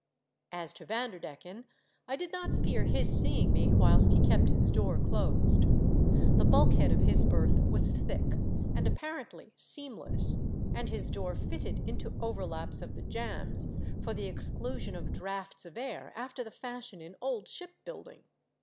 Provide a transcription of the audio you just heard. As to Van derdecken, I did not fear his seeing me whilst he kept his door closed. The bulk head of his berth was thick and apparently seamless, and his door fitted into overlaps of the jambs, for the exclusion of draughts of air 4QO THE DEATH SHIP. after the fashion in old shipbuilding.